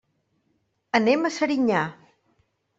Anem a Serinyà.